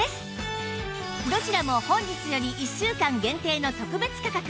どちらも本日より１週間限定の特別価格